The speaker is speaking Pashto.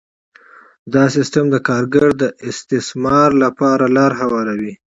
دا سیستم د کارګر د استثمار لپاره لاره هواروي